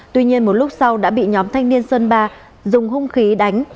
tuy nhiên một lúc sau đã bị nhóm thanh niên sơn ba dùng hung khí đánh